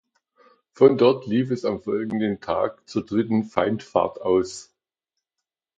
Von dort lief es am folgenden Tag zur dritten Feindfahrt aus.